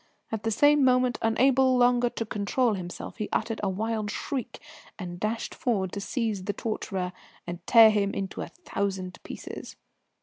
At the same moment, unable longer to control himself, he uttered a wild shriek and dashed forward to seize the torturer and tear him to a thousand pieces.